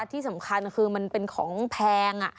ที่สำคัญคือมันเป็นของแพง